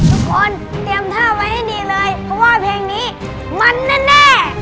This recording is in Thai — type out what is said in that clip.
ทุกคนเตรียมท่าไว้ให้ดีเลยเพราะว่าเพลงนี้มันแน่